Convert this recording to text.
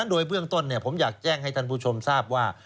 โดยเบื้องต้นผมอยากแจ้งให้ท่านผู้ชมทราบว่า